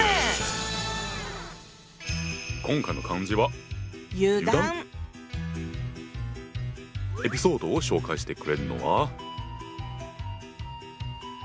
今回の漢字はエピソードを紹介してくれるのは。